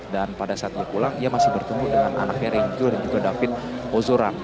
dan pada saat dia pulang dia masih bertemu dengan anaknya renjiro dan juga david ozora